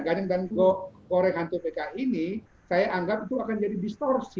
ganyang dan goreng hantu pki ini saya anggap itu akan jadi distorsi